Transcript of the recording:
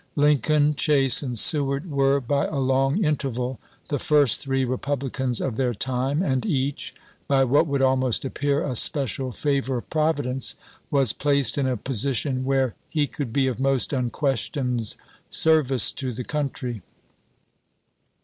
Lin coln, Chase, and Seward were, by a long interval, the first three Republicans of their time, and each, by what would almost appear a special favor of Providence, was placed in a position where he could be of most unquestioned service to the coun try.